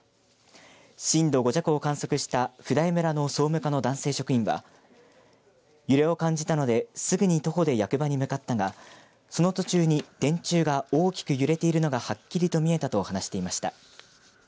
震度５弱を観測した普代村の総務課の男性職員は揺れを感じたので、すぐに徒歩で役場に向かったがその途中に電柱が大きく揺れているのがはっきりと見えたと話していました。